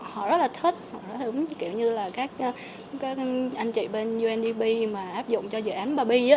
họ rất là thích kiểu như là các anh chị bên undp mà áp dụng cho dự án papi